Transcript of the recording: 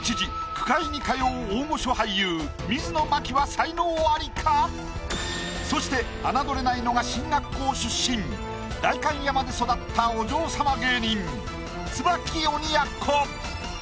句会に通う大御所俳優そして侮れないのが進学校出身代官山で育ったお嬢様芸人椿鬼奴！